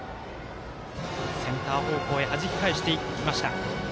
センター方向にはじき返していきました。